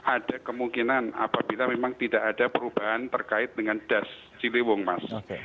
ada kemungkinan apabila memang tidak ada perubahan terkait dengan das ciliwung mas